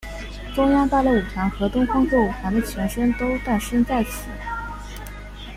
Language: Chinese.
中央芭蕾舞团和东方歌舞团的前身都诞生在此。